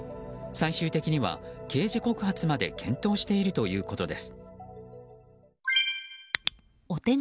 最終的には刑事告発まで検討しているということです。